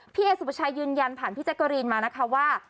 พี่เอสุปชายยืนยันผ่านพี่แจ๊กกะรีนมานะคะว่า